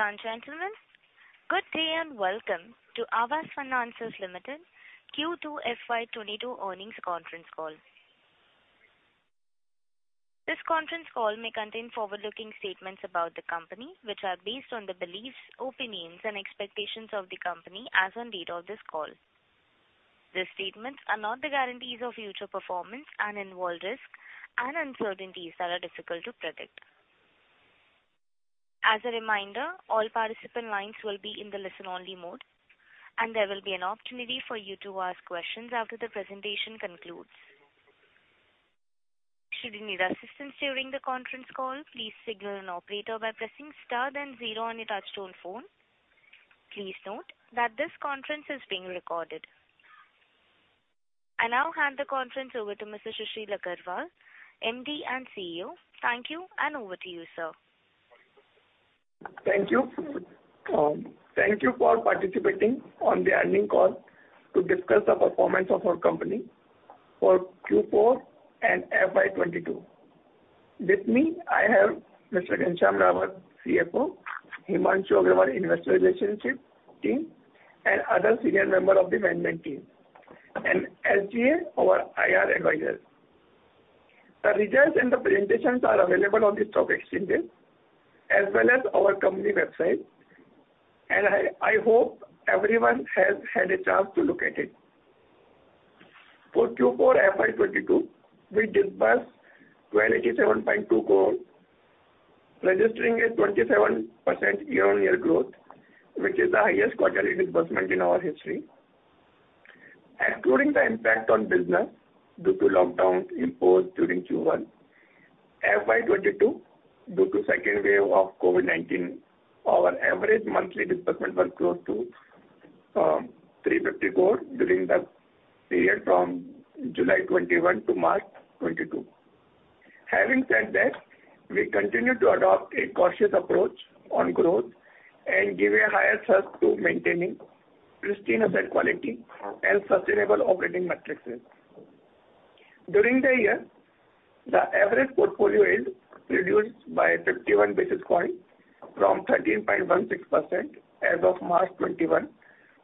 Ladies and gentlemen, good day and welcome to Aavas Financiers Limited Q2 FY22 Earnings Conference Call. This conference call may contain forward-looking statements about the company, which are based on the beliefs, opinions, and expectations of the company as on date of this call. These statements are not the guarantees of future performance and involve risks and uncertainties that are difficult to predict. As a reminder, all participant lines will be in the listen only mode, and there will be an opportunity for you to ask questions after the presentation concludes. Should you need assistance during the conference call, please signal an operator by pressing star then zero on your touchtone phone. Please note that this conference is being recorded. I now hand the conference over to Mr. Sushil Agarwal, MD and CEO. Thank you, and over to you, sir. Thank you. Thank you for participating on the earnings call to discuss the performance of our company for Q4 and FY 2022. With me, I have Mr. Ghanshyam Rawat, CFO, Himanshu Agrawal, Investor Relations team, and other senior member of the management team, and SGA, our IR advisor. The results and the presentations are available on the stock exchange as well as our company website, and I hope everyone has had a chance to look at it. For Q4 FY 2022, we disbursed INR 27.2 crore, registering a 27% year-on-year growth, which is the highest quarterly disbursement in our history. Excluding the impact on business due to lockdowns imposed during Q1, FY 2022, due to second wave of COVID-19, our average monthly disbursement was close to 350 crore during the period from July 2021 to March 2022. Having said that, we continue to adopt a cautious approach on growth and give a higher thrust to maintaining pristine asset quality and sustainable operating matrices. During the year, the average portfolio yield reduced by 51 basis points from 13.16% as of March 2021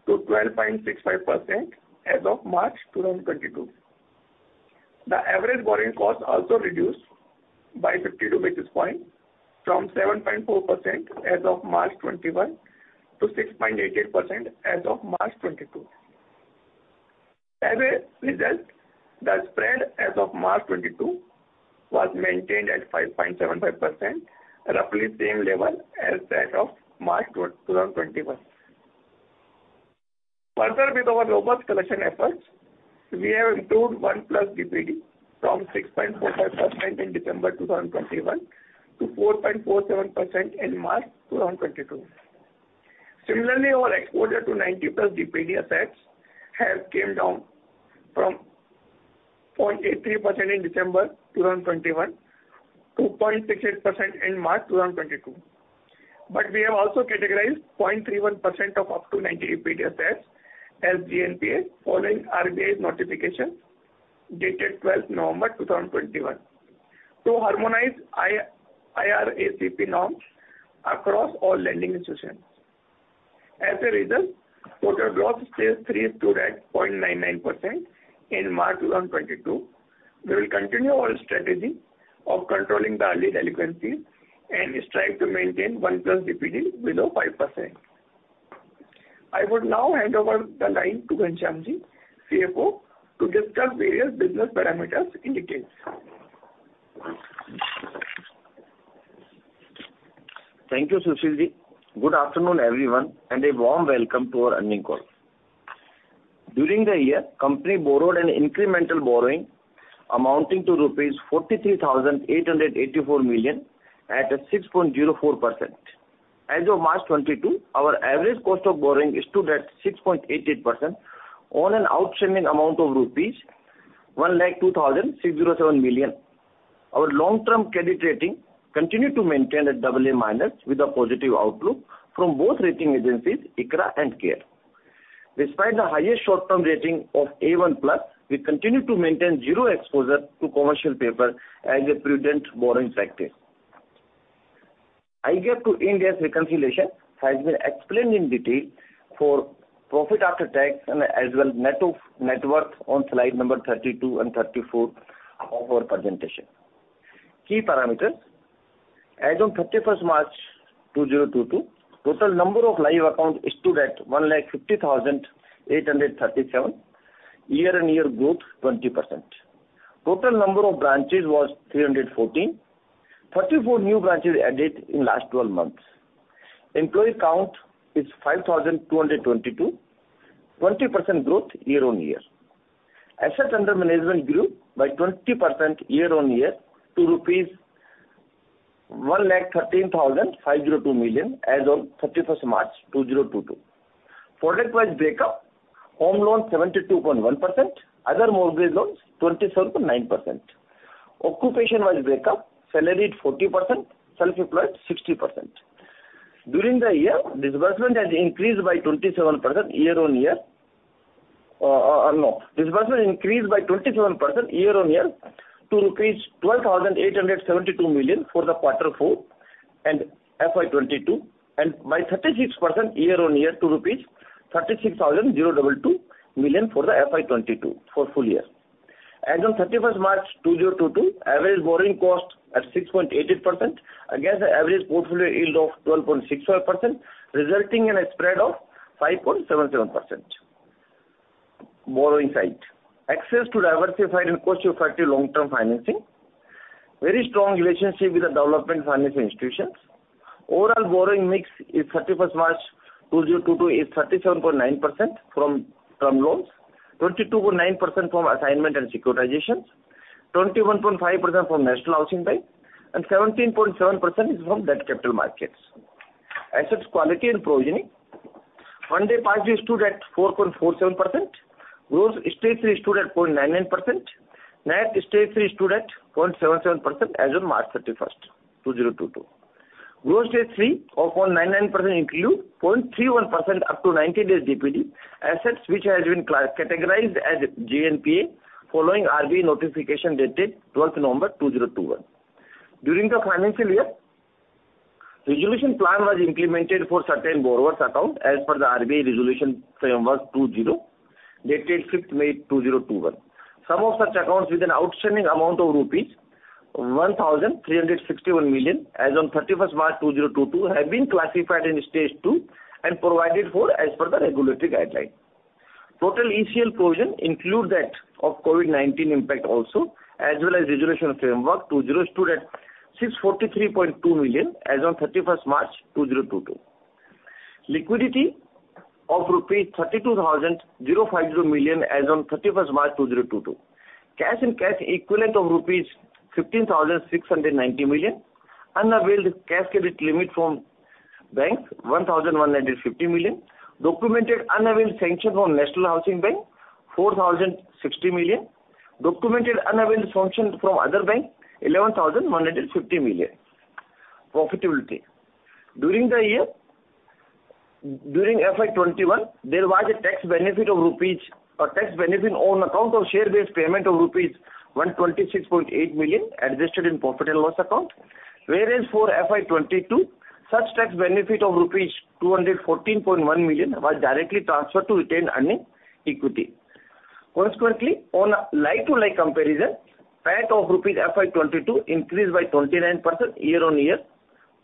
to 12.65% as of March 2022. The average borrowing cost also reduced by 52 basis points from 7.4% as of March 2021 to 6.88% as of March 2022. As a result, the spread as of March 2022 was maintained at 5.75%, roughly same level as that of March 2021. Further, with our robust collection efforts, we have improved 1+ DPD from 6.45% in December 2021 to 4.47% in March 2022. Similarly, our exposure to 90+ DPD assets has came down from 0.83% in December 2021 to 0.68% in March 2022. We have also categorized 0.31% of up to 90 DPD assets as GNPA following RBI's notification dated 12th November 2021 to harmonize IRACP norms across all lending institutions. As a result, total gross stage three stood at 0.99% in March 2022. We will continue our strategy of controlling the early delinquencies and strive to maintain 1+ DPD below 5%. I would now hand over the line to Ghanshyam Ji, CFO, to discuss various business parameters in detail. Thank you, Sushilji. Good afternoon, everyone, and a warm welcome to our earnings call. During the year, company borrowed an incremental borrowing amounting to rupees 43,884 million at 6.04%. As of March 2022, our average cost of borrowing stood at 6.88% on an outstanding amount of rupees 102,607 million. Our long-term credit rating continued to maintain at AA- with a positive outlook from both rating agencies, ICRA and CARE. Despite the highest short-term rating of A1+, we continue to maintain zero exposure to commercial paper as a prudent borrowing practice. IGAAP to Ind AS reconciliation has been explained in detail for profit after tax and net worth on slide number 32 and 34 of our presentation. Key parameters. As on 31 March 2022, total number of live accounts stood at 150,837. Year-on-year growth, 20%. Total number of branches was 314. 34 new branches added in last 12 months. Employee count is 5,222, 20% growth year-on-year. Assets under management grew by 20% year-on-year to rupees 113,502 million as on 31 March 2022. Product-wise breakup, home loans 72.1%, other mortgage loans 27.9%. Occupation-wise breakup, salaried 40%, self-employed 60%. During the year, disbursement has increased by 27% year-on-year. Disbursement increased by 27% year-on-year to 12,872 million for quarter four and FY 2022, and by 36% year-on-year to rupees 36,002 million for the FY 2022 for full year. As on March 31, 2022, average borrowing cost at 6.88% against the average portfolio yield of 12.65%, resulting in a spread of 5.77%. Borrowing side. Access to diversified and cost-effective long-term financing. Very strong relationship with the development financing institutions. Overall borrowing mix as on March 31, 2022, is 37.9% from term loans, 22.9% from assignments and securitizations, 21.5% from National Housing Bank, and 17.7% from debt capital markets. Asset quality and provisioning. One-day past due stood at 4.47%. Gross stage three stood at 0.99%. Net stage three stood at 0.77% as on March 31, 2022. Gross stage three of 0.99% include 0.31% up to 90 days DPD assets which has been class-categorized as GNPA following RBI notification dated November 12, 2021. During the financial year, resolution plan was implemented for certain borrower's account as per the RBI Resolution Framework 2.0 dated May 5, 2021. Some of such accounts with an outstanding amount of rupees 1,361 million as on March 31, 2022 have been classified in stage two and provided for as per the regulatory guideline. Total ECL provision include that of COVID-19 impact also as well as Resolution Framework 2.0 stood at 643.2 million as on March 31, 2022. Liquidity of rupees 32,050 million as on March 31, 2022. Cash and cash equivalent of rupees 15,690 million. Unavailed cash credit limit from banks, 1,150 million. Documented unavailed sanction from National Housing Bank, 4,060 million. Documented unavailed sanction from other banks, 11,150 million. Profitability. During the year, during FY 2021, there was a tax benefit on account of share-based payment of rupees 126.8 million adjusted in profit and loss account. Whereas for FY 2022, such tax benefit of rupees 214.1 million was directly transferred to retained earnings equity. Consequently, on a like-to-like comparison, PAT for FY 2022 increased by 29% year-on-year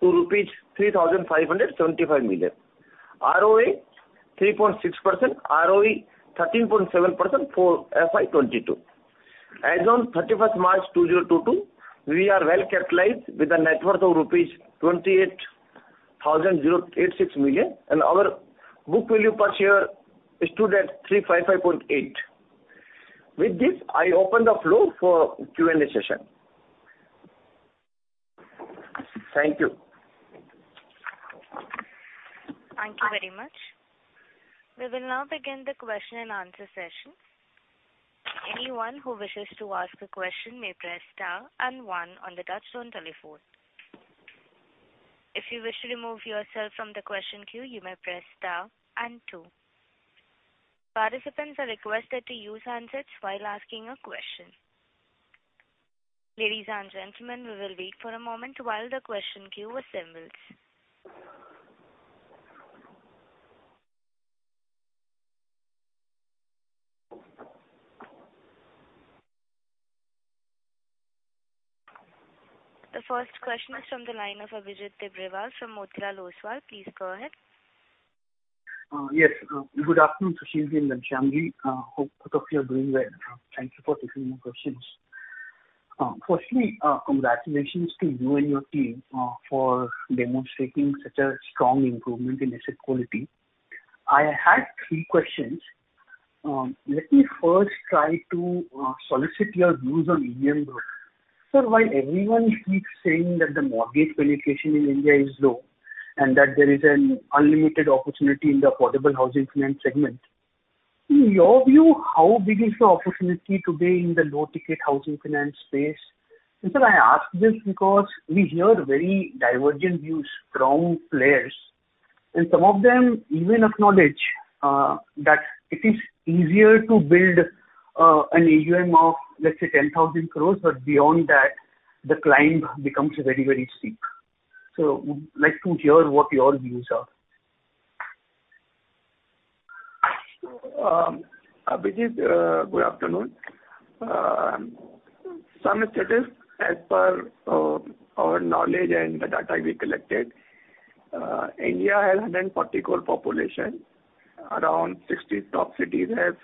to rupees 3,575 million. ROA 3.6%, ROE 13.7% for FY 2022. As on March 31, 2022, we are well capitalized with a net worth of rupees 28,086 million, and our book value per share stood at 355.8. With this, I open the floor for Q&A session. Thank you. Thank you very much. We will now begin the question and answer session. Anyone who wishes to ask a question may press star and one on the touchtone telephone. If you wish to remove yourself from the question queue, you may press star and two. Participants are requested to use handsets while asking a question. Ladies and gentlemen, we will wait for a moment while the question queue assembles. The first question is from the line of Abhijit Tibrewal from Motilal Oswal. Please go ahead. Yes. Good afternoon, Sushilji and Shyamji. Hope both of you are doing well. Thank you for taking my questions. Firstly, congratulations to you and your team for demonstrating such a strong improvement in asset quality. I had three questions. Let me first try to solicit your views on EM growth. Sir, while everyone keeps saying that the mortgage penetration in India is low and that there is an unlimited opportunity in the affordable housing finance segment, in your view, how big is the opportunity today in the low-ticket housing finance space? Sir, I ask this because we hear very divergent views from players, and some of them even acknowledge that it is easier to build an AUM of, let's say, 10,000 crore, but beyond that, the climb becomes very, very steep. Would like to hear what your views are. Abhijit, good afternoon. Some statistics as per our knowledge and the data we collected. India has 140 crore population. Around 60 top cities have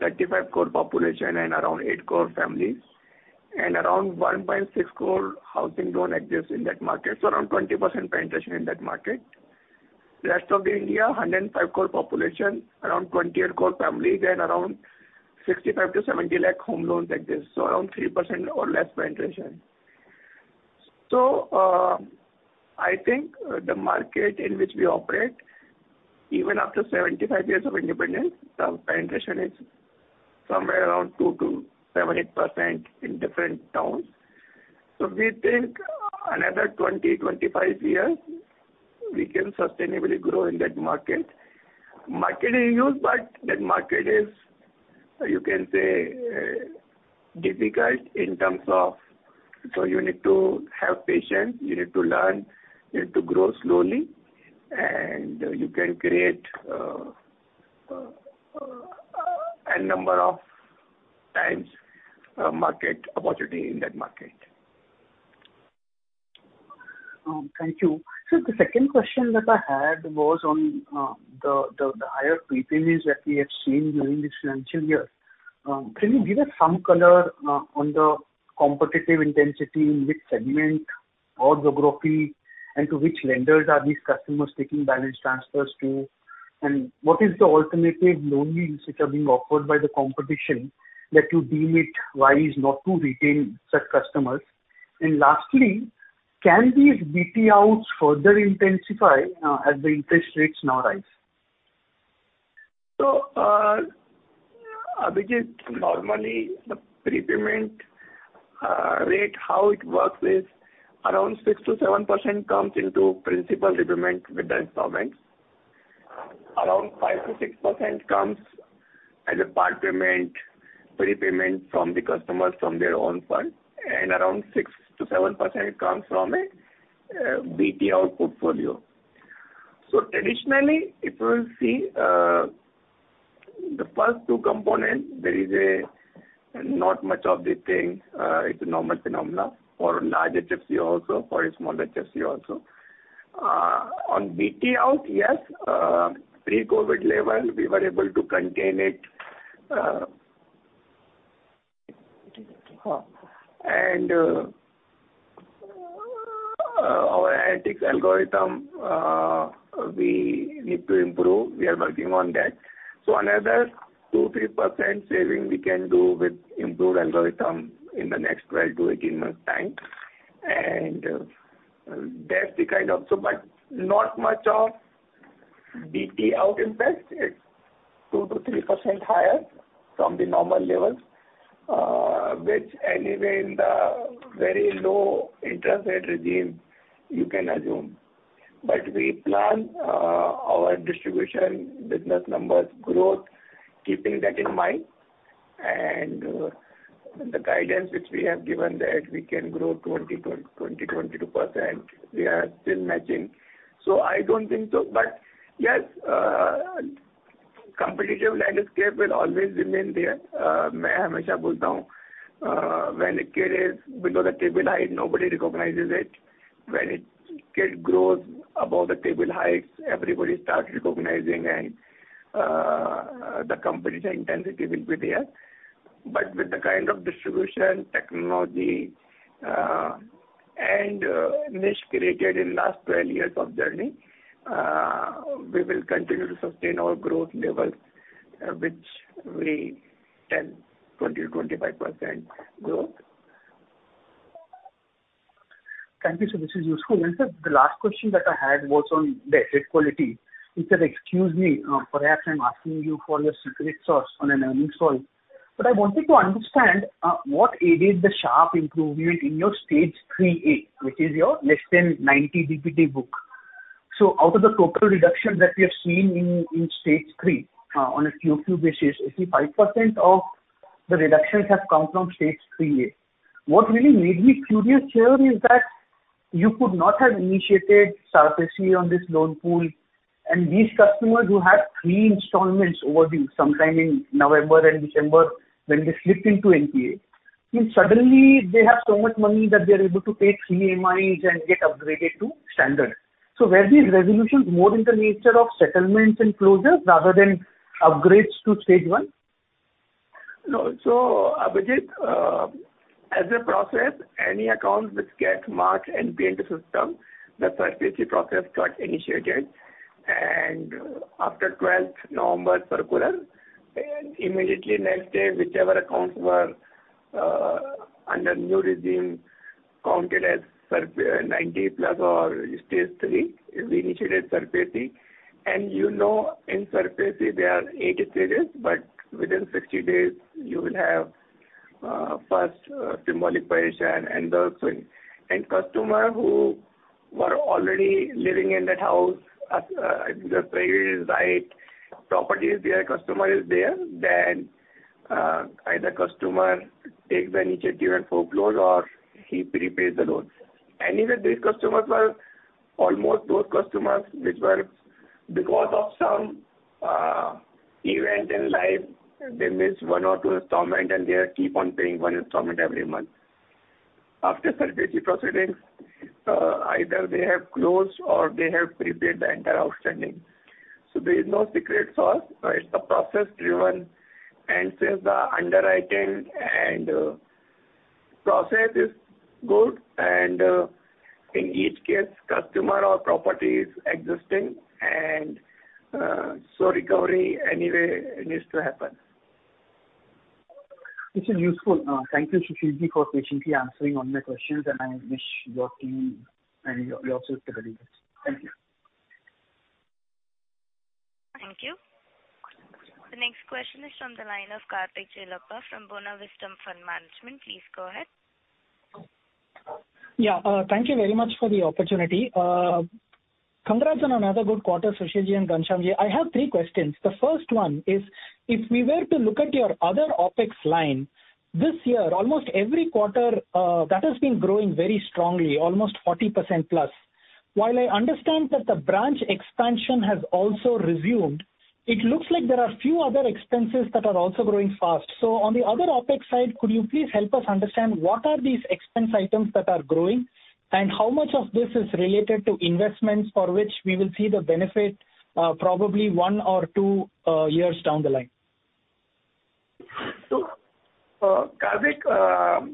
35 crore population and around 8 crore families. Around 1.6 crore housing loan exists in that market, so around 20% penetration in that market. Rest of the India, 105 crore population, around 28 crore families and around 65-70 lakh home loans like this, so around 3% or less penetration. I think the market in which we operate, even after 75 years of independence, the penetration is somewhere around 2%-8% in different towns. We think another 20-25 years we can sustainably grow in that market. Market is huge, but that market is, you can say, difficult in terms of so you need to have patience, you need to learn, you need to grow slowly, and you can create, n number of times a market opportunity in that market. Thank you. Sir, the second question that I had was on the higher prepayments that we have seen during this financial year. Can you give us some color on the competitive intensity in which segment or geography and to which lenders are these customers taking balance transfers to? And what is the alternative loan yields which are being offered by the competition that you deem it wise not to retain such customers? And lastly, can these BT outs further intensify as the interest rates now rise? Abhijit, normally the prepayment rate, how it works is around 6%-7% comes into principal repayment with the installments. Around 5%-6% comes as a part payment, prepayment from the customers from their own funds, and around 6%-7% comes from a BT out portfolio. Traditionally, if you will see, the first two components, there is not much of a thing. It's a normal phenomenon for a large HFC also, for a small HFC also. On BT out, yes, pre-COVID level we were able to contain it. Our analytics algorithm, we need to improve. We are working on that. Another 2-3% saving we can do with improved algorithm in the next 12-18 months time. That's the kind of Not much of BT out impact. It's 2%-3% higher from the normal levels, which anyway in the very low interest rate regime you can assume. We plan our distribution business numbers growth keeping that in mind and the guidance which we have given that we can grow 20%-22%, we are still matching. I don't think so. Yes, competitive landscape will always remain there. When a kid is below the table height, nobody recognizes it. When a kid grows above the table height, everybody starts recognizing and the competitive intensity will be there. With the kind of distribution technology and niche created in last 12 years of journey, we will continue to sustain our growth levels, which we 20%-25% growth. Thank you, sir. This is useful. Sir, the last question that I had was on the asset quality. If you'll excuse me, perhaps I'm asking you for your secret sauce on an earnings call, but I wanted to understand what aided the sharp improvement in your stage three A, which is your less than 90 DPD book. Out of the total reduction that we have seen in stage three, on a QOQ basis, 85% of the reductions have come from stage three A. What really made me curious here is that you could not have initiated SARFAESI on this loan pool, and these customers who had three installments overdue sometime in November and December when they slipped into NPA mean suddenly they have so much money that they are able to pay three EMIs and get upgraded to standard. Were these resolutions more in the nature of settlements and closures rather than upgrades to stage one? No. Abhijit, as a process, any accounts which get marked NPA in the system, the SARFAESI process got initiated. After twelfth November circular, immediately next day, whichever accounts were under new regime counted as ninety-plus or stage three, we initiated SARFAESI. You know in SARFAESI there are eight stages, but within 60 days you will have first symbolic possession and auction. Customers who were already living in that house, if the price is right, property is there, customer is there, then either customer takes the initiative and forecloses or he prepays the loan. Even these customers were almost those customers which were because of some event in life, they missed 1 or 2 installments and they keep on paying 1 installment every month. After SARFAESI proceedings, either they have closed or they have prepaid the entire outstanding. There is no secret sauce. It's a process driven and since the underwriting and process is good and in each case customer or property is existing and so recovery anyway needs to happen. This is useful. Thank you, Sushil Ji, for patiently answering all my questions, and I wish your team and yourself the very best. Thank you. From the line of Karthik Jalapa from Buena Vista Fund Management. Please go ahead. Yeah. Thank you very much for the opportunity. Congrats on another good quarter, Sushil Ji and Ghanshyam-ji. I have three questions. The first one is, if we were to look at your other OpEx line this year, almost every quarter, that has been growing very strongly, almost 40%+. While I understand that the branch expansion has also resumed, it looks like there are few other expenses that are also growing fast. So on the other OpEx side, could you please help us understand what are these expense items that are growing, and how much of this is related to investments for which we will see the benefit, probably one or two years down the line? Karthik,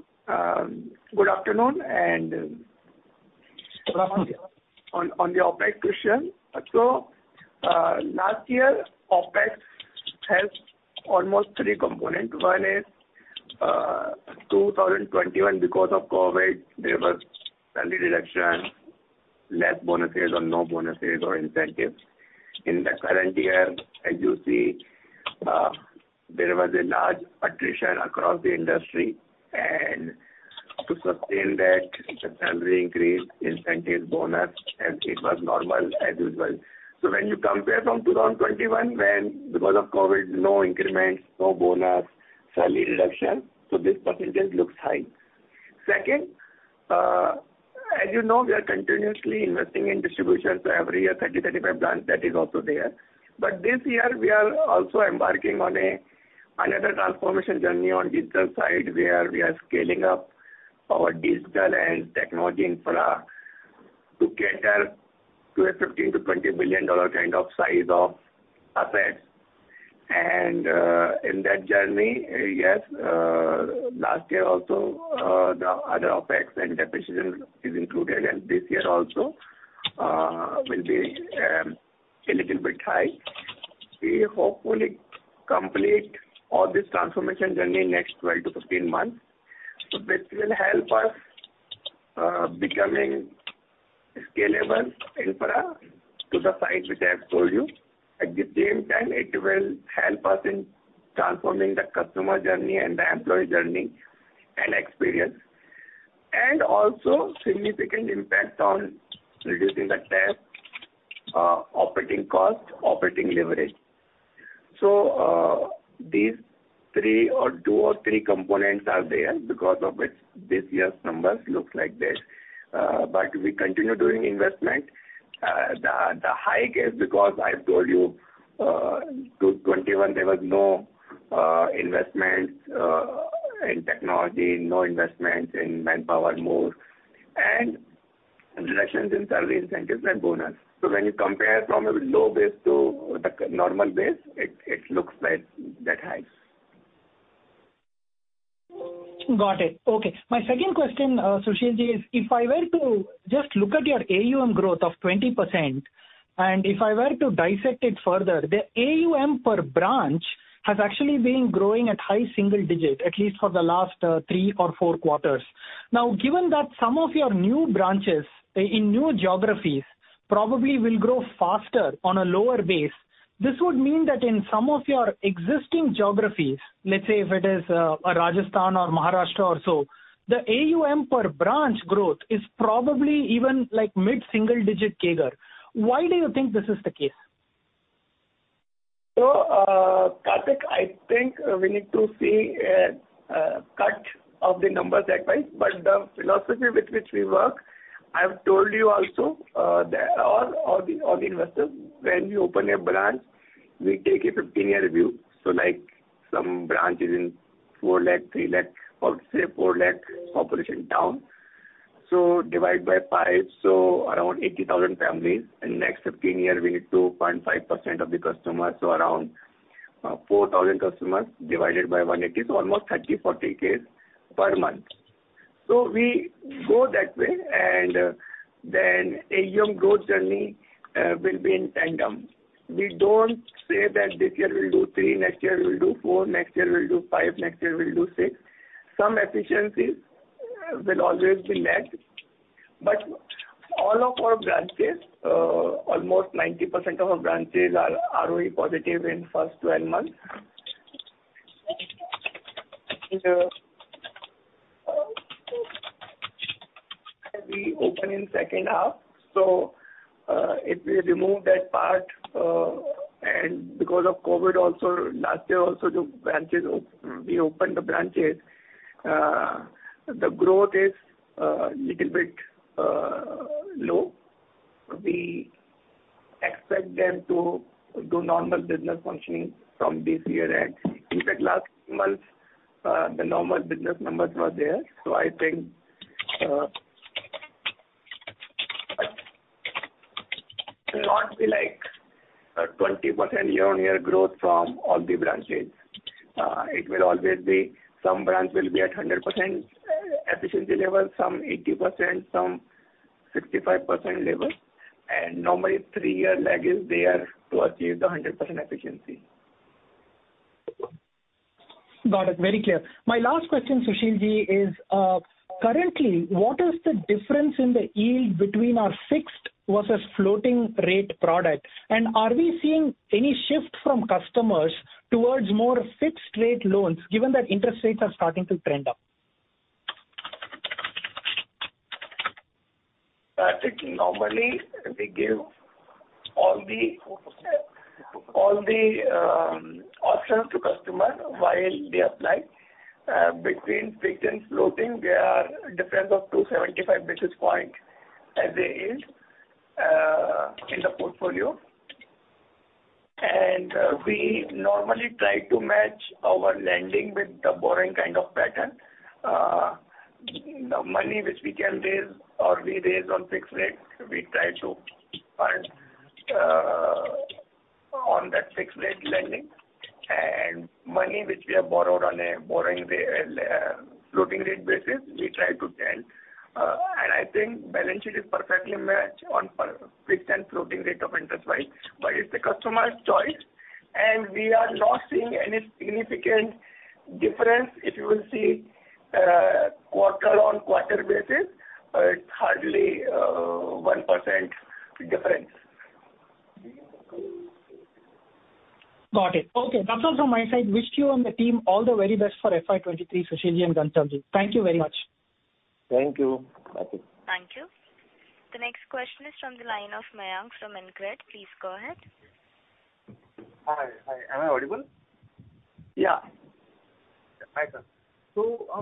good afternoon. Good afternoon. On the OpEx question. Last year, OpEx has almost three components. One is 2021, because of COVID, there was salary reduction, less bonuses or no bonuses or incentives. In the current year, as you see, there was a large attrition across the industry. To sustain that, the salary increase, incentives, bonus, as it was normal as usual. When you compare from 2021 when because of COVID, no increments, no bonus, salary reduction, so this percentage looks high. Second, as you know, we are continuously investing in distribution. Every year, 30-35 branches that is also there. But this year we are also embarking on another transformation journey on digital side, where we are scaling up our digital and technology infra to cater to a $15 billion-$20 billion kind of size of assets. In that journey, yes, last year also, the other OpEx and depreciation is included, and this year also will be a little bit high. We hopefully complete all this transformation journey next 12-15 months. This will help us becoming scalable infra to the size which I have told you. At the same time, it will help us in transforming the customer journey and the employee journey and experience, and also significant impact on reducing the TAT, operating cost, operating leverage. These three or two or three components are there because of which this year's numbers look like this. But we continue doing investment. The hike is because I've told you, 2021 there was no investment in technology, no investment in manpower more and reductions in salary, incentives and bonus. When you compare from a low base to the normal base, it looks like that high. Got it. Okay. My second question, Sushil Ji, is if I were to just look at your AUM growth of 20% and if I were to dissect it further, the AUM per branch has actually been growing at high single-digit, at least for the last 3 or 4 quarters. Now, given that some of your new branches in new geographies probably will grow faster on a lower base, this would mean that in some of your existing geographies, let's say if it is Rajasthan or Maharashtra or so, the AUM per branch growth is probably even like mid-single-digit CAGR. Why do you think this is the case? Karthik, I think we need to see a cut of the numbers that way. The philosophy with which we work, I've told you also, that all the investors, when you open a branch, we take a 15-year view. Like some branch is in 4 lakh, 3 lakh or say 4 lakh population town. Divide by five, so around 80,000 families. In next 15 years we need 2.5% of the customers, so around 4,000 customers divided by 180, so almost 30, 40 cases per month. We go that way and then AUM growth journey will be in tandem. We don't say that this year we'll do 3%, next year we'll do 4%, next year we'll do 5%, next year we'll do 6%. Some efficiencies will always be met. All of our branches, almost 90% of our branches are ROE positive in first 12 months. We open in second half. If we remove that part, and because of COVID also, last year also the branches we opened, the growth is little bit low. We expect them to do normal business functioning from this year end. In fact, last month, the normal business numbers were there. I think it will not be like 20% year-on-year growth from all the branches. It will always be some branch will be at 100% efficiency level, some 80%, some 65% level. Normally 3-year lag is there to achieve the 100% efficiency. Got it. Very clear. My last question, Sushil Ji, is currently, what is the difference in the yield between our fixed versus floating rate product? Are we seeing any shift from customers towards more fixed rate loans, given that interest rates are starting to trend up? I think normally we give all the options to customer while they apply. Between fixed and floating, there are difference of 275 basis point as a yield in the portfolio. We normally try to match our lending with the borrowing kind of pattern. The money which we can raise or we raise on fixed rate, we try to earn on that fixed rate lending. Money which we have borrowed on a floating rate basis, we try to lend. I think balance sheet is perfectly matched on per fixed and floating rate of interest-wise, but it's the customer's choice, and we are not seeing any significant difference. If you will see quarter-on-quarter basis, it's hardly 1% difference. Got it. Okay. That's all from my side. Wish you and the team all the very best for FY 2023, Sushil Agarwal and Ghanshyam Ji. Thank you very much. Thank you. Thank you. Thank you. The next question is from the line of Mayank from InCred. Please go ahead. Hi. Hi. Am I audible? Yeah. Hi, sir.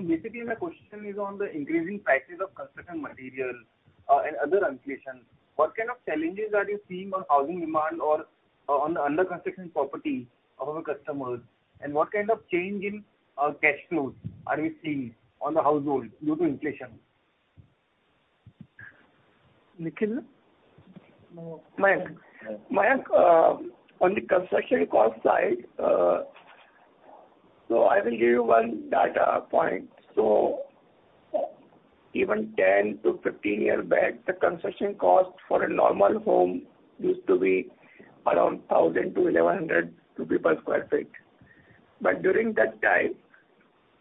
Basically my question is on the increasing prices of construction materials, and other inflation. What kind of challenges are you seeing on housing demand or on the under-construction property of our customers? What kind of change in cash flows are we seeing on the household due to inflation? Nikhil? Mayank. Mayank, on the construction cost side, I will give you one data point. Even 10-15 years back, the construction cost for a normal home used to be around 1,000-1,100 rupees per sq ft. But during that time,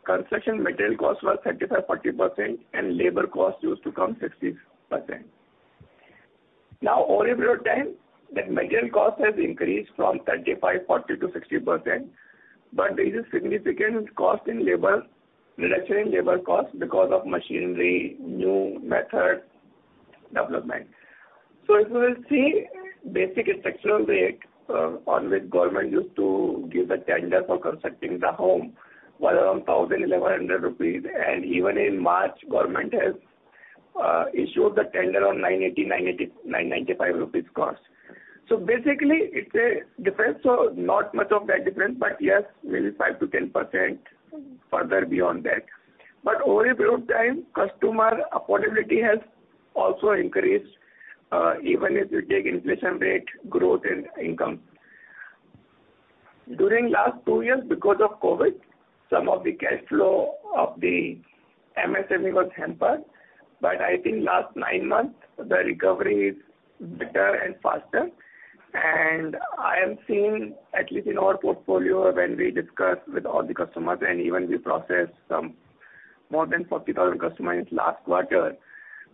construction material cost was 35%-40% and labor cost used to come 60%. Now, over a period of time, the material cost has increased from 35%-40%-60%, but there is a significant reduction in labor cost because of machinery, new method development. If you will see basic construction rate on which government used to give the tender for constructing the home was around 1,000-1,100 rupees, and even in March, government has issued the tender on 980-995 rupees cost. Basically it's a difference of not much of that difference, but yes, maybe 5%-10% further beyond that. Over a period of time, customer affordability has also increased, even if you take inflation rate growth in income. During last two years because of COVID, some of the cash flow of the MSME was hampered. I think last nine months the recovery is better and faster. I am seeing at least in our portfolio when we discuss with all the customers and even we process some more than 40,000 customers last quarter,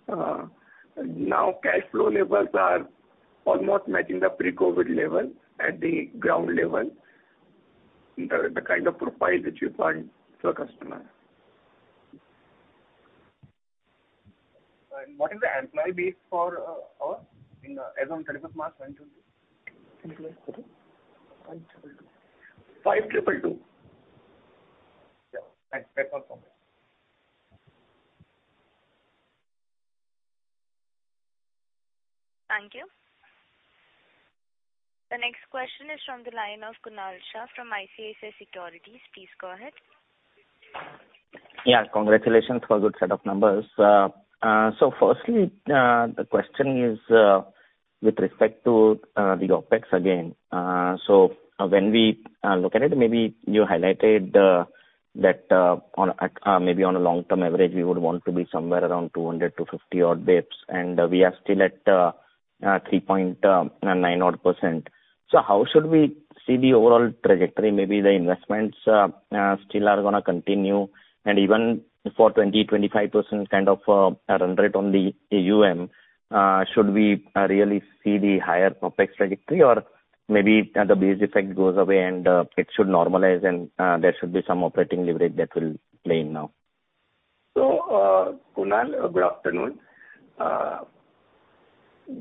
now cash flow levels are almost matching the pre-COVID level at the ground level, the kind of profile that you find to a customer. What is the employee base for all in as on 31st March 2022? Employee base. 5,222. 522. Yeah. Thanks. That's all from me. Thank you. The next question is from the line of Kunal Shah from ICICI Securities. Please go ahead. Yeah. Congratulations for good set of numbers. Firstly, the question is with respect to the OpEx again. When we look at it, maybe you highlighted that on maybe on a long-term average, we would want to be somewhere around 200-250 odd bps, and we are still at 3.9 odd percent. How should we see the overall trajectory? Maybe the investments still are gonna continue. Even for 20-25% kind of run rate on the AUM, should we really see the higher OpEx trajectory or maybe the base effect goes away and it should normalize and there should be some operating leverage that will play in now? Kunal, good afternoon.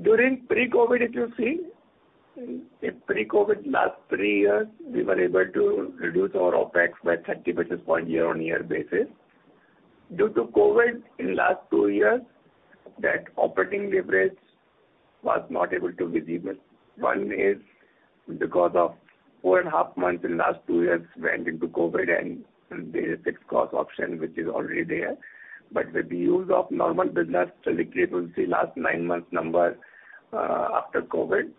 During pre-COVID, if you see, in pre-COVID last three years, we were able to reduce our OpEx by 30 basis points year-on-year. Due to COVID in last two years, that operating leverage was not able to be visible. One is because of four and a half months in last two years went into COVID and there is a fixed cost component which is already there. But with the use of normal business trajectory, if you see last 9 months numbers, after COVID,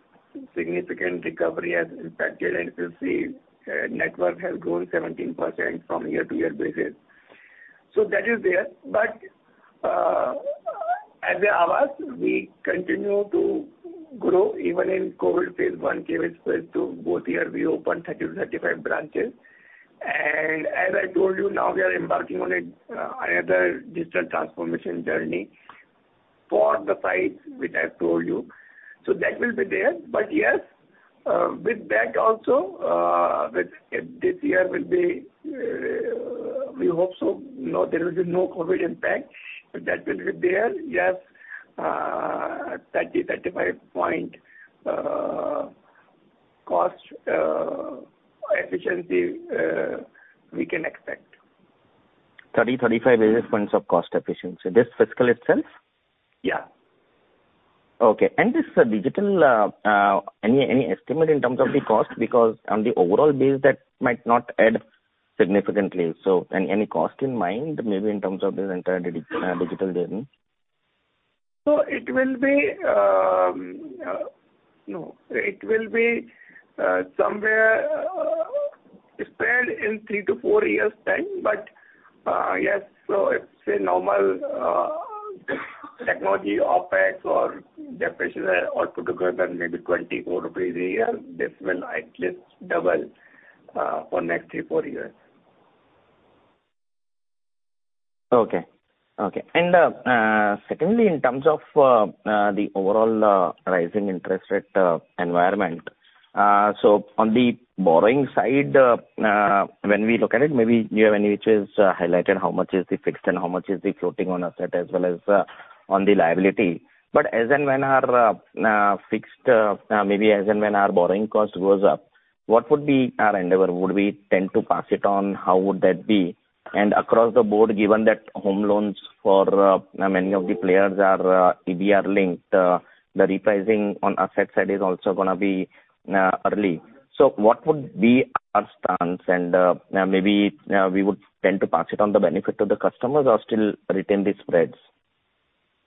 significant recovery has happened and you see, network has grown 17% from year-on-year basis. That is there. But as Aavas, we continue to grow even in COVID phase one, phase two. Both years we opened 30-35 branches. As I told you, now we are embarking on another digital transformation journey for the sites which I told you. That will be there. Yes, with that also, this year will be, we hope so. No, there will be no COVID impact. That will be there. 30-35 point cost efficiency we can expect. 30-35 basis points of cost efficiency. This fiscal itself? Yeah. Okay. This digital any estimate in terms of the cost? Because on the overall base that might not add significantly. Any cost in mind, maybe in terms of this entire digital journey? It will be you know somewhere spread in 3-4 years' time. It's a normal technology OpEx or depreciation or put together maybe INR 24 a year. This will at least double for next 3-4 years. Secondly, in terms of the overall rising interest rate environment. On the borrowing side, when we look at it, maybe you have in which is highlighted how much is the fixed and how much is the floating on asset as well as on the liability. As and when our borrowing cost goes up, what would be our endeavor? Would we tend to pass it on? How would that be? Across the board, given that home loans for many of the players are EBLR linked, the repricing on asset side is also gonna be early. What would be our stance and maybe we would tend to pass on the benefit to the customers or still retain the spreads?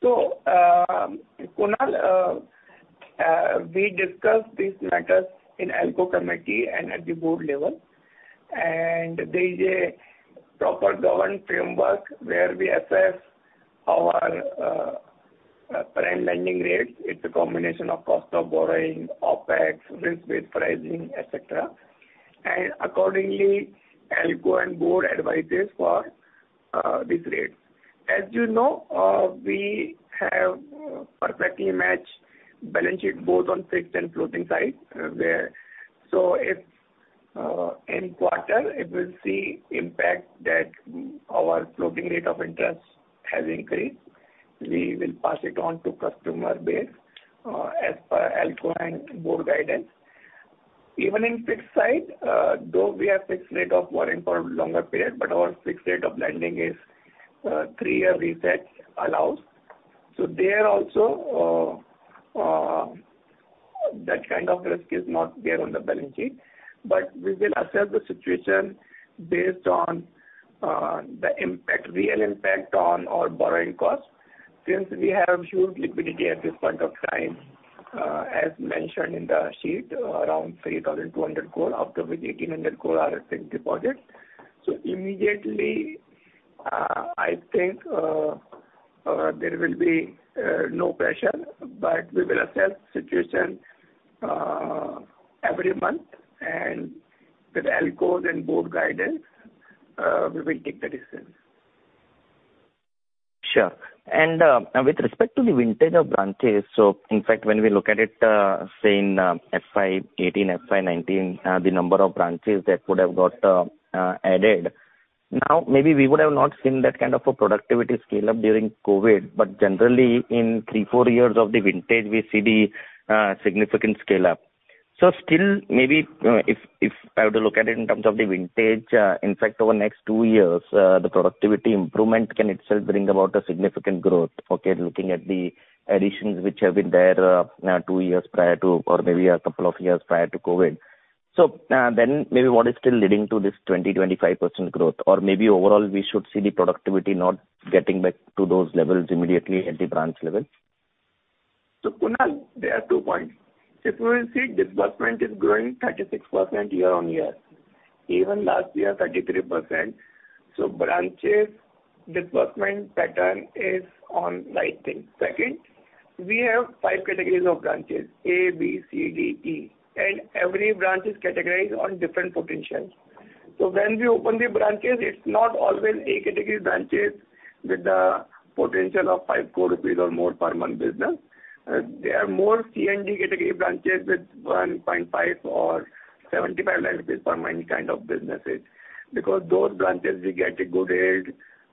Kunal, we discussed these matters in ALCO committee and at the board level, and there is a proper governance framework where we assess our prime lending rates. It's a combination of cost of borrowing, OpEx, risk-based pricing, etc. Accordingly, ALCO and board advises for this rate. As you know, we have perfectly matched balance sheet both on fixed and floating side. If any quarter it will see impact that our floating rate of interest has increased, we will pass it on to customer base, as per ALCO and board guidance. Even in fixed side, though we have fixed rate of borrowing for longer period, but our fixed rate of lending is three-year reset allows. There also, that kind of risk is not there on the balance sheet. We will assess the situation based on the impact, real impact on our borrowing costs. Since we have huge liquidity at this point of time, as mentioned in the sheet, around 3,200 crore, out of which 1,800 crore are fixed deposits. Immediately, I think, there will be no pressure, but we will assess situation every month and with ALCOs and board guidance, we will take the decision. Sure. With respect to the vintage of branches, in fact, when we look at it, say in FY18, FY19, the number of branches that would have got added. Now, maybe we would have not seen that kind of a productivity scale up during COVID, but generally in three, four years of the vintage we see the significant scale up. Still maybe, if I were to look at it in terms of the vintage, in fact over the next two years, the productivity improvement can itself bring about a significant growth. Okay, looking at the additions which have been there, two years prior to or maybe a couple of years prior to COVID. Then maybe what is still leading to this 20-25% growth? Maybe overall we should see the productivity not getting back to those levels immediately at the branch level. Kunal, there are two points. If you will see, disbursement is growing 36% year-over-year. Even last year, 33%. Branches disbursement pattern is on right thing. Second, we have 5 categories of branches A, B, C, D, E and every branch is categorized on different potentials. When we open the branches, it's not always A category branches with the potential of 5 crore rupees or more per month business. There are more C and D category branches with 1.5 crore or 75 lakh rupees per month kind of businesses because those branches we get a good yield,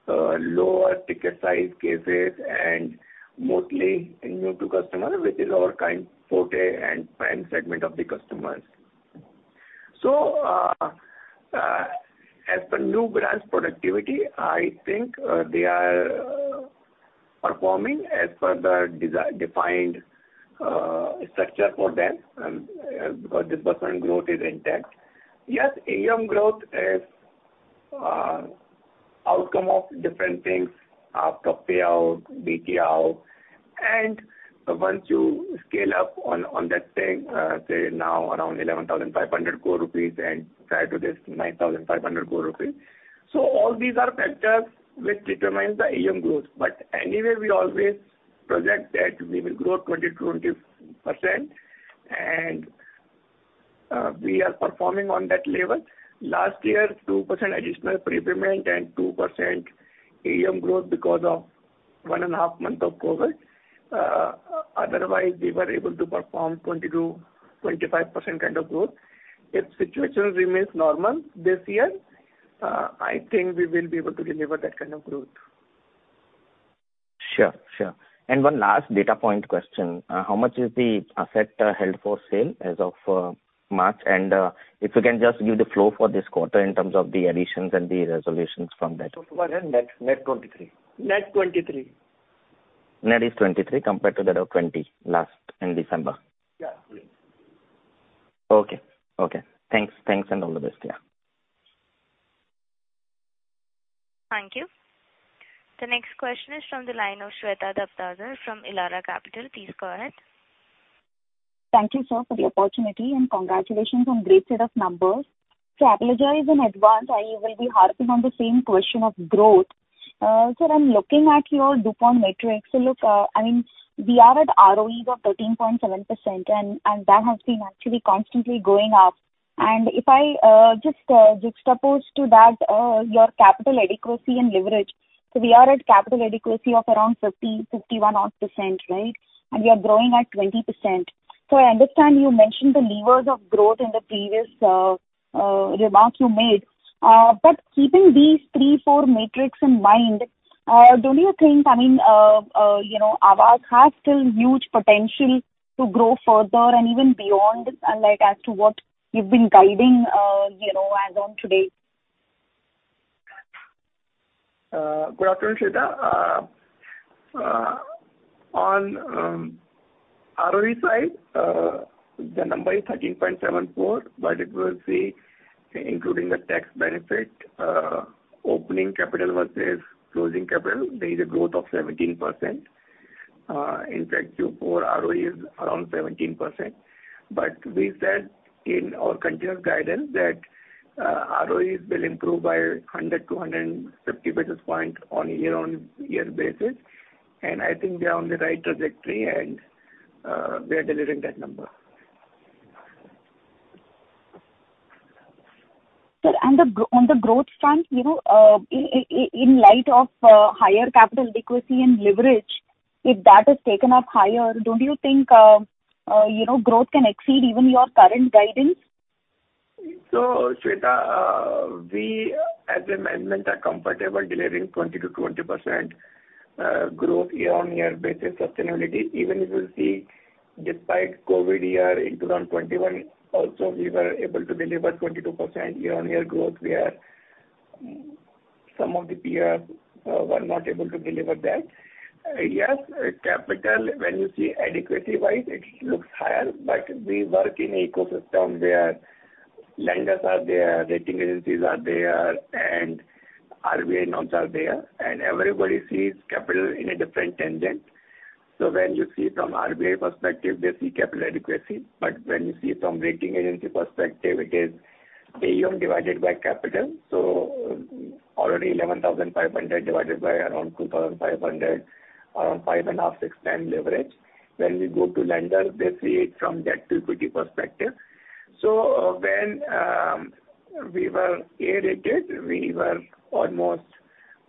lower ticket size cases and mostly new to customer, which is our kind forte and prime segment of the customers. As per new branch productivity, I think, they are performing as per the defined structure for them, because disbursement growth is intact. Yes, AUM growth is outcome of different things, prepayment, disbursement and so once you scale up on that thing, say now around 11,500 crore rupees and prior to this 9,500 crore rupees. All these are factors which determine the AUM growth. Anyway, we always project that we will grow 20%-20% and we are performing on that level. Last year, 2% additional prepayment and 2% AUM growth because of one and a half month of COVID-19. Otherwise we were able to perform 20%-25% kind of growth. If situation remains normal this year, I think we will be able to deliver that kind of growth. Sure, sure. One last data point question. How much is the asset held for sale as of March? If you can just give the flow for this quarter in terms of the additions and the resolutions from that. Net 23. Net is 23 compared to that of 20 last in December. Yeah, please. Okay. Thanks and all the best. Yeah. Thank you. The next question is from the line of Shweta Daptardar from Elara Capital. Please go ahead. Thank you, sir, for the opportunity and congratulations on great set of numbers. I apologize in advance. I will be harping on the same question of growth. I'm looking at your DuPont metrics. Look, I mean, we are at ROE of 13.7% and that has been actually constantly going up. If I just juxtapose to that your capital adequacy and leverage. We are at capital adequacy of around 50-51% odd, right? We are growing at 20%. I understand you mentioned the levers of growth in the previous remarks you made. Keeping these three, four metrics in mind, don't you think, I mean, you know, Aavas has still huge potential to grow further and even beyond, like as to what you've been guiding, you know, as on today? Good afternoon, Shweta. On ROE side, the number is 13.74 but if we see including the tax benefit, opening capital versus closing capital, there is a growth of 17%. In fact, Q4 ROE is around 17%. We said in our consistent guidance that ROEs will improve by 100-150 basis points on a year-on-year basis and I think we are on the right trajectory and we are delivering that number. Sir, on the growth front, you know, in light of higher capital adequacy and leverage, if that is taken up higher, don't you think, you know, growth can exceed even your current guidance? Shweta, we as a management are comfortable delivering 20%-20% growth year-on-year basis sustainability. Even if you see despite COVID year in 2021 also we were able to deliver 22% year-on-year growth where some of the peers were not able to deliver that. Yes, capital when you see adequacy-wise it looks higher, but we work in ecosystem where lenders are there, rating agencies are there and RBI norms are there and everybody sees capital in a different tangent. When you see from RBI perspective, they see capital adequacy but when you see from rating agency perspective, it is AUM divided by capital. Already 11,500 divided by around 2,500, around 5.5-6 times leverage. When we go to lender, they see it from debt to equity perspective. When we were A rated, we were almost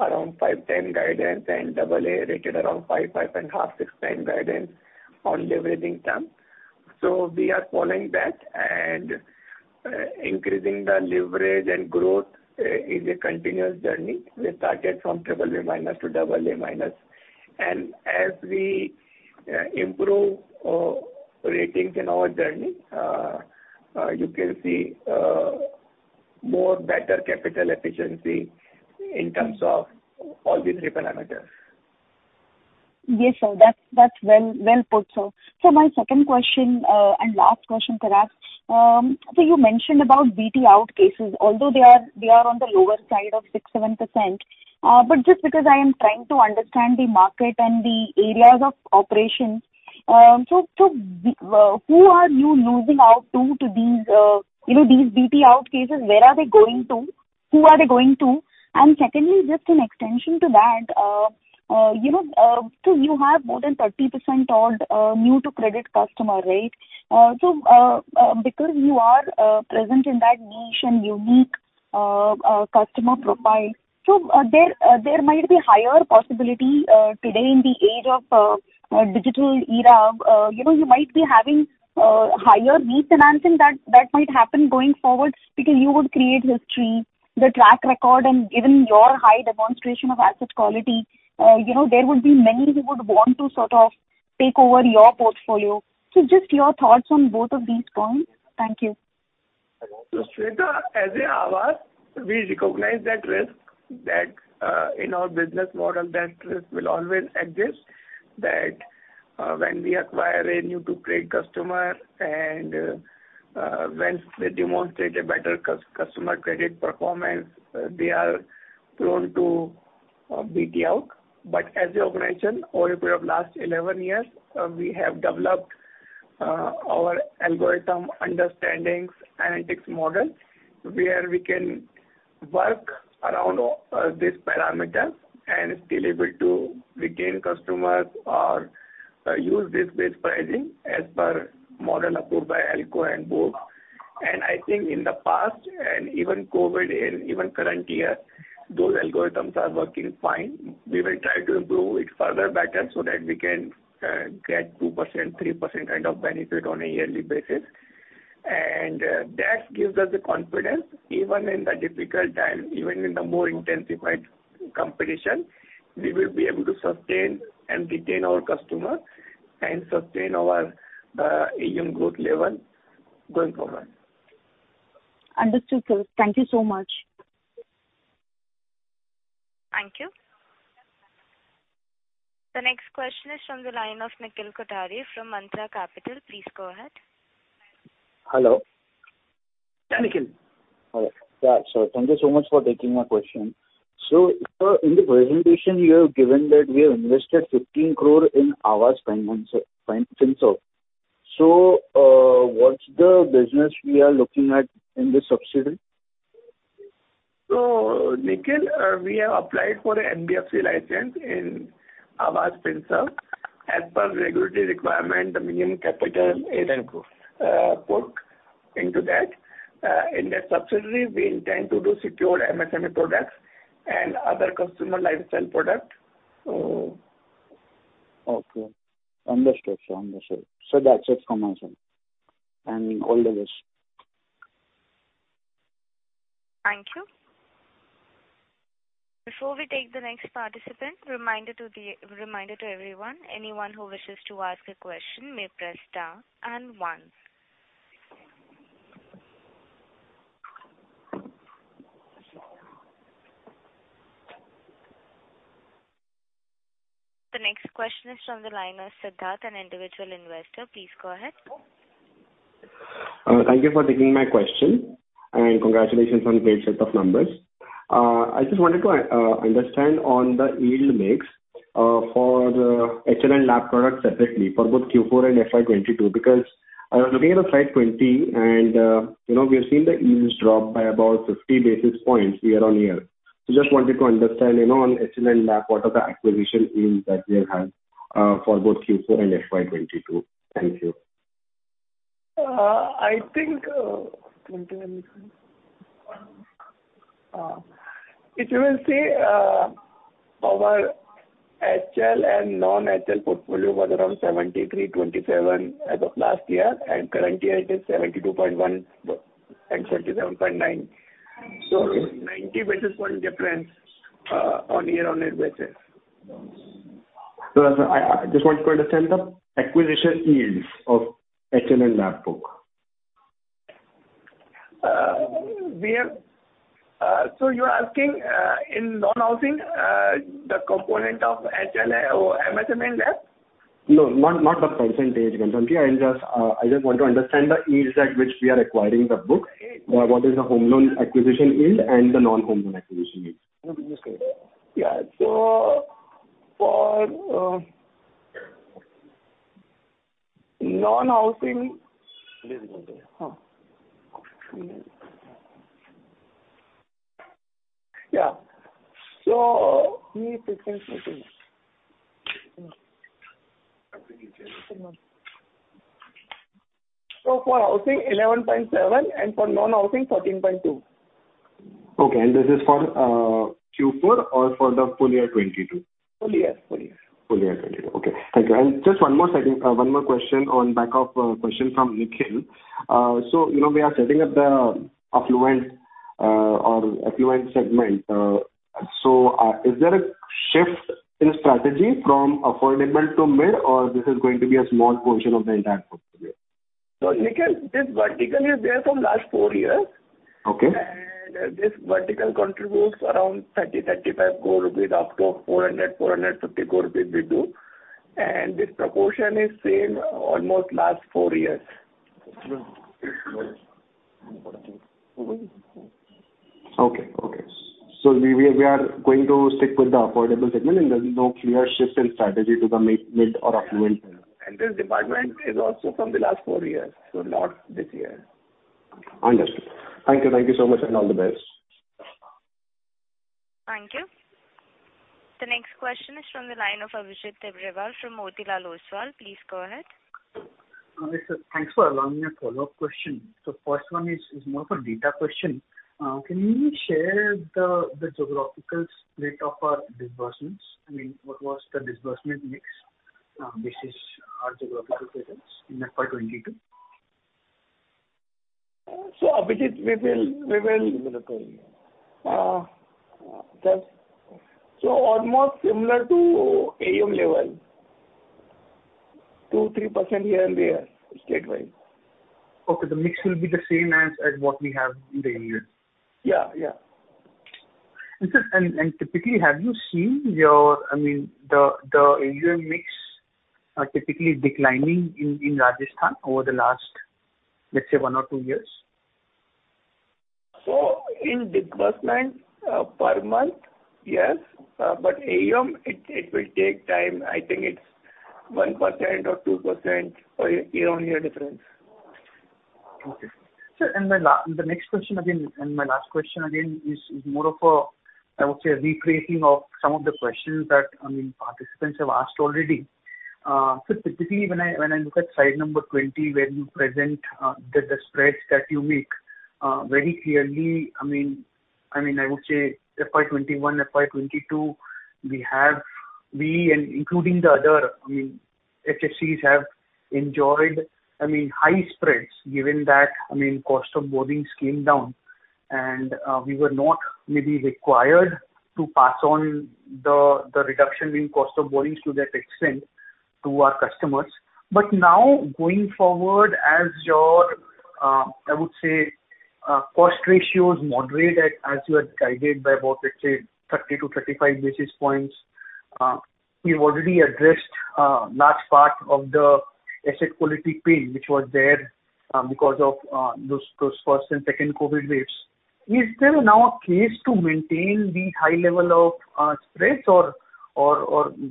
around 5-10x guidance and double A rated around 5.5-6x guidance on leverage term. We are following that and increasing the leverage and growth is a continuous journey. We started from triple A minus to double A minus and as we improve ratings in our journey, you can see more better capital efficiency in terms of all these three parameters. Yes, sir. That's well put, sir. My second question and last question thereabout. You mentioned about BT out cases although they are on the lower side of 6-7%. Just because I am trying to understand the market and the areas of operations. Who are you losing out to these, you know, these BT out cases, where are they going to? Who are they going to? Secondly, just an extension to that, you know, so you have more than 30% odd new to credit customer, right? Because you are present in that niche and unique customer profile. There might be higher possibility today in the age of digital era, you know, you might be having higher refinancing that might happen going forward because you would create history, the track record and given your high demonstration of asset quality, you know, there would be many who would want to sort of take over your portfolio. Just your thoughts on both of these points. Thank you. Shweta, as at Aavas, we recognize that risk in our business model that risk will always exist that when we acquire a new-to-credit customer and when they demonstrate a better customer credit performance, they are prone to be de-accreted. But as an operation, over a period of last 11 years, we have developed our algorithm understandings analytics model, where we can work around this parameter and still able to retain customers or use risk-based pricing as per model approved by ALCO and board. I think in the past, and even COVID and even current year, those algorithms are working fine. We will try to improve it further better so that we can get 2%, 3% kind of benefit on a yearly basis. That gives us the confidence, even in the difficult time, even in the more intensified competition, we will be able to sustain and retain our customer and sustain our AUM growth level going forward. Understood, sir. Thank you so much. Thank you. The next question is from the line of Nikhil Kothari from Mansa Capital. Please go ahead. Hello. Yeah, Nikhil. Hello. Yeah, sure. Thank you so much for taking my question. In the presentation you have given that we have invested 15 crore in Aavas Finance and so. What's the business we are looking at in this subsidiary? Nikhil, we have applied for a NBFC license in Aavas Finserv. As per regulatory requirement, the minimum capital is- INR 10 crore. In the subsidiary we intend to do secured MSME products and other customer lifestyle product. Oh, okay. Understood, sir. Understood. That's it from my side. All the best. Thank you. Before we take the next participant, reminder to everyone, anyone who wishes to ask a question may press star and one. The next question is from the line of Siddharth, an individual investor. Please go ahead. Thank you for taking my question, and congratulations on great set of numbers. I just wanted to understand on the yield mix for the HL and LAP products specifically for both Q4 and FY 2022, because I was looking at the FY 2020, and you know, we have seen the yields drop by about 50 basis points year-on-year. Just wanted to understand, you know, on HL and LAP, what are the acquisition yields that we have had for both Q4 and FY 2022? Thank you. I think, if you will see, our HL and non-HL portfolio was around 73%-27% as of last year, and currently it is 72.1% and 27.9%. Okay. 90 basis point difference on year-on-year basis. I just want to understand the acquisition yields of HL and LAP book. You are asking, in non-housing, the component of HL or MSME LAP? No, not the percentage, Ghanshyam Ji. I'm just, I just want to understand the yields at which we are acquiring the book. What is the home loan acquisition yield and the non-home loan acquisition yield? Yeah. For non-housing- Business loan. For housing, 11.7% and for non-housing, 13.2%. Okay. This is for Q4 or for the full year 2022? Full year. Full year 2022. Okay. Thank you. Just one more second, one more question on back of a question from Nikhil. So, you know, we are setting up the affluent segment. Is there a shift in strategy from affordable to mid or this is going to be a small portion of the entire portfolio? Nikhil, this vertical is there from last four years. Okay. This vertical contributes around 30-35 crore INR up to 400-450 crore INR we do. This proportion is same almost last four years. Okay. We are going to stick with the affordable segment and there's no clear shift in strategy to the mid or affluent. This department is also from the last four years, so not this year. Understood. Thank you. Thank you so much and all the best. Thank you. The next question is from the line of Abhijit Tibrewal from Motilal Oswal. Please go ahead. Hi, sir. Thanks for allowing a follow-up question. First one is more of a data question. Can you share the geographical split of our disbursements? I mean, what was the disbursement mix basis our geographical presence in FY 2022? Abhijit, we will just almost similar to AM level, 2%-3% here and there state-wise. Okay. The mix will be the same as what we have in the AUM level. Yeah, yeah. Sir, typically have you seen your I mean, the AUM mix are typically declining in Rajasthan over the last, let's say, one or two years? In disbursement per month, yes. AUM, it will take time. I think it's 1% or 2% year-on-year difference. Okay. Sir, the next question again, and my last question again, is more of a, I would say, recreating of some of the questions that, I mean, participants have asked already. Typically when I look at slide number 20 where you present the spreads that you make very clearly, I mean, I would say FY 2021, FY 2022, we and including the other, I mean, HFCs have enjoyed, I mean, high spreads given that, I mean, cost of borrowings came down and we were not maybe required to pass on the reduction in cost of borrowings to that extent to our customers. Now going forward as your, I would say, cost ratios moderate at, as you had guided by about, let's say, 30-35 basis points, you've already addressed large part of the asset quality pain which was there, because of those first and second COVID waves. Is there now a case to maintain the high level of spreads or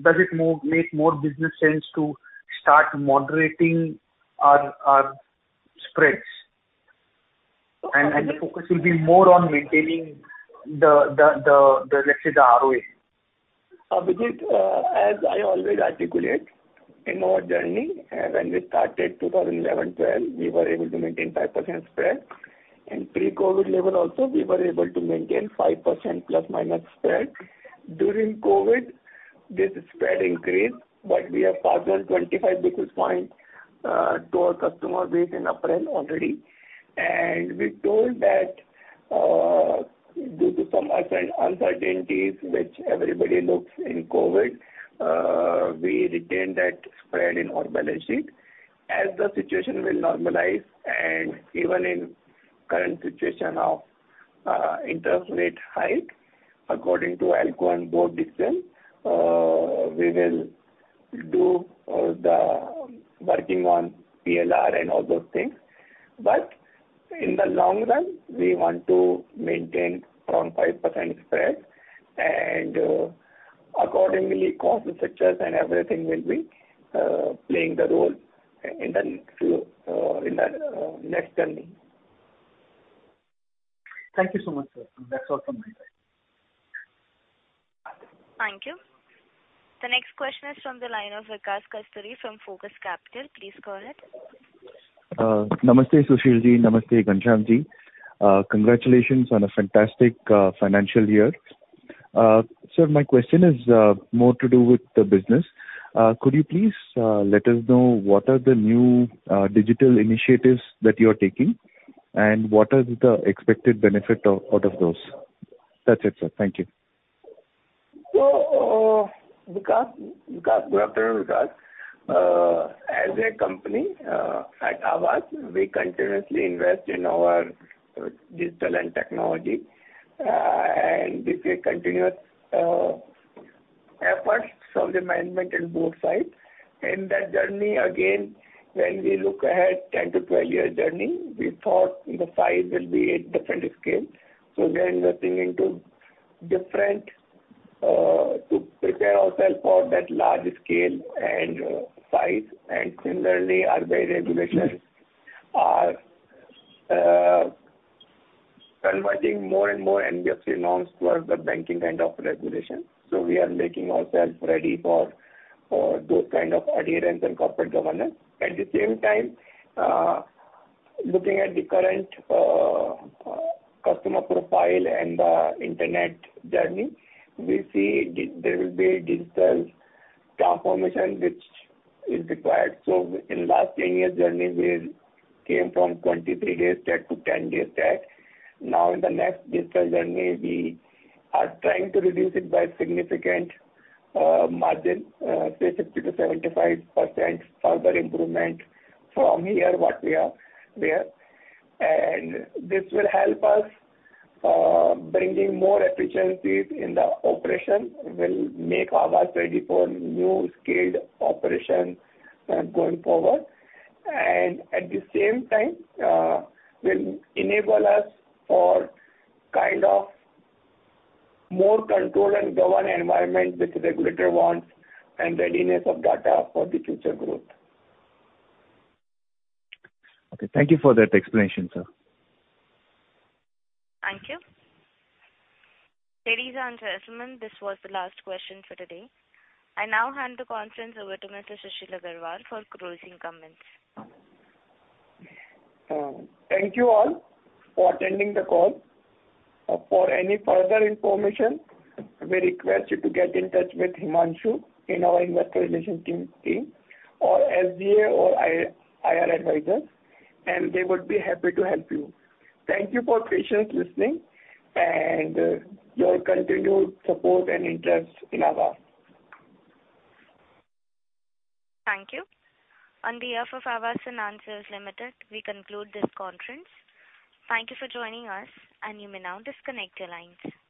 does it make more business sense to start moderating spreads? The focus will be more on maintaining the, let's say, the ROA. Abhijit, as I always articulate in our journey, when we started 2011, 2012, we were able to maintain 5% spread. In pre-COVID level also we were able to maintain 5% plus minus spread. During COVID, this spread increased, but we have passed on 25 basis points to our customer base in April already. We told that, due to some uncertainties which everybody looks in COVID, we retained that spread in our balance sheet. As the situation will normalize and even in current situation of interest rate hike, according to ALCO and board decision, we will do the working on PLR and all those things. In the long run, we want to maintain around 5% spread and accordingly cost structures and everything will be playing the role in the next journey. Thank you so much, sir. That's all from my side. Thank you. The next question is from the line of Vikas Kasturi from Focus Capital. Please go ahead. Namaste Sushil Ji. Namaste Ghanshyam Ji. Congratulations on a fantastic financial year. Sir, my question is more to do with the business. Could you please let us know what are the new digital initiatives that you are taking and what is the expected benefit out of those? That's it, sir. Thank you. Vikas, good afternoon, Vikas. As a company, at Aavas we continuously invest in our digital and technology, and this is a continuous effort from the management and board side. In that journey again, when we look ahead 10- to 12-year journey, we thought the size will be at different scale. We are investing into different to prepare ourselves for that large scale and size. Similarly, RBI regulations are converging more and more NBFC norms towards the banking kind of regulation. We are making ourselves ready for those kind of adherence and corporate governance. At the same time, looking at the current customer profile and the internet journey, we see there will be a digital transformation which is required. In last 10 years journey, we came from 23 days debt to 10 days debt. Now in the next digital journey, we are trying to reduce it by significant margin, say 50%-75% further improvement from here what we are there. This will help us bringing more efficiencies in the operation will make Aavas ready for new scaled operation, going forward. At the same time, will enable us for kind of more control and govern environment which regulator wants and readiness of data for the future growth. Okay. Thank you for that explanation, sir. Thank you. Ladies and gentlemen, this was the last question for today. I now hand the conference over to Mr. Sushil Agarwal for closing comments. Thank you all for attending the call. For any further information, we request you to get in touch with Himanshu in our investor relations team or SGA or our IR advisor, and they would be happy to help you. Thank you for patient listening and your continued support and interest in Aavas. Thank you. On behalf of Aavas Financiers Limited, we conclude this conference. Thank you for joining us, and you may now disconnect your lines.